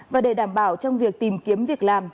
và để đảm bảo trong việc tìm kiếm việc làm